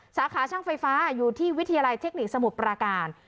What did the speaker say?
สาขาช่างไฟฟ้าอยู่ที่วิทยาลัยเทคนิคสมุทรปราการ